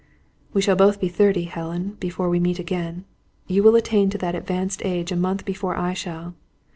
"We shall both be thirty, Helen, before we meet again. You will attain to that advanced age a month before I shall.